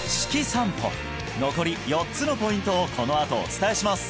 散歩残り４つのポイントをこのあとお伝えします